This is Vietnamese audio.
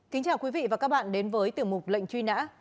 kính chào quý vị và các bạn đến với tiểu mục lệnh truy nã